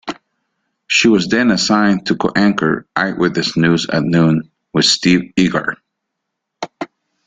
She was then assigned to co-anchor "Eyewitness News at Noon" with Steve Eagar.